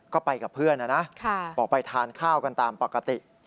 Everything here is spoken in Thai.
ก็ไปกับเพื่อนนะนะออกไปทานข้าวกันตามปกติ